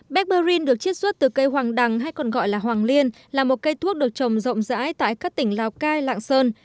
barbarin được chiết xuất từ cây hoàng đằng hay còn gọi là hoàng liên là một cây thuốc được trồng rộng rãi tại các tỉnh lào cai lạng sơn